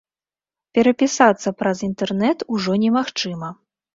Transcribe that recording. Перапісацца праз інтэрнэт ужо немагчыма.